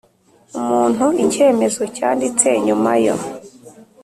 umuntu icyemezo cyanditse nyuma yo